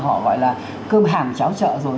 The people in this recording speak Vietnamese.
họ gọi là cơm hàng cháo chợ rồi